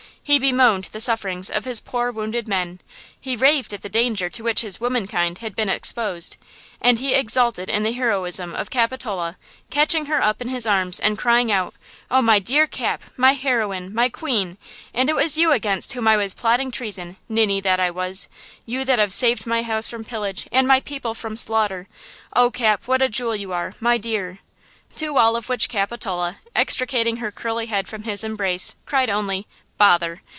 He bemoaned the sufferings of his poor wounded men; he raved at the danger to which his "womenkind" had been exposed, and he exulted in the heroism of Capitola, catching her up in his arms and crying out: "Oh, my dear Cap! My heroine! My queen! And it was you against whom I was plotting treason–ninny that I was! You that have saved my house from pillage and my people from slaughter! Oh, Cap, what a jewel you are–my dear!" To all of which Capitola, extricating her curly head from his embrace, cried only: "Bother!"